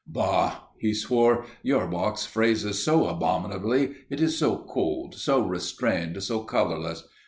"Bah!" he swore, "your box phrases so abominably. It is so cold, so restrained, so colourless!